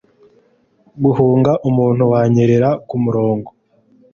guhunga umuntu wanyerera kumurongo